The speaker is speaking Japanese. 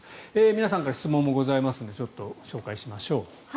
皆さんから質問もありますのでご紹介しましょう。